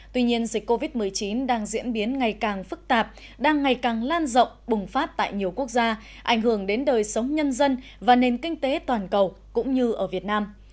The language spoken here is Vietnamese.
tuy nhiên dịch covid một mươi chín đang diễn biến ngày càng phức tạp đang ngày càng lan rộng bùng phát tại nhiều quốc gia ảnh hưởng đến đời sống nhân dân và nền kinh tế toàn cầu cũng như ở việt nam